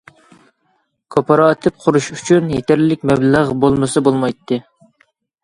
كوپىراتىپ قۇرۇش ئۈچۈن يېتەرلىك مەبلەغ بولمىسا بولمايتتى.